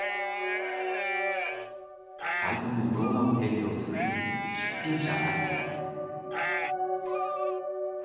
サイトに動画を提供する出品者たちです。